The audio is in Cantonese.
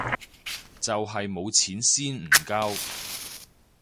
就係冇錢先唔交